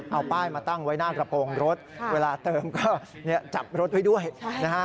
เอาป้ายมาตั้งไว้หน้ากระโปรงรถเวลาเติมก็เนี่ยจับรถไว้ด้วยนะฮะ